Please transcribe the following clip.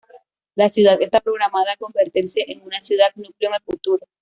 La ciudad está programada a convertirse en una ciudad- núcleo en el futuro.